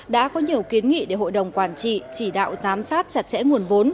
đã có nhiều kiến nghị để hội đồng quản trị chỉ đạo giám sát chặt chẽ nguồn vốn